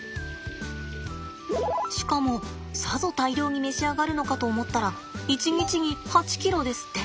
しかもさぞ大量に召し上がるのかと思ったら１日に８ｋｇですって。